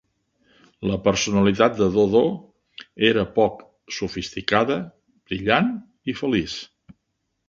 La personalitat de Dodo era poc sofisticada, brillant i feliç.